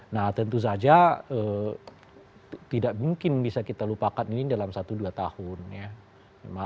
nah tentu saja tidak mungkin bisa kita lupakan ini dalam satu dua tahun ya